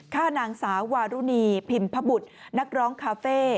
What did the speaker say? ฆ่านางสาววารุณีพิมพบุตรนักร้องคาเฟ่